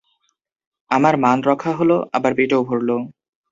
আমার মান রক্ষা হলো, আবার পেটও ভরল।